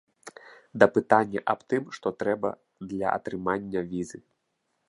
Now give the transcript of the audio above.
Да пытання аб тым, што трэба для атрымання візы.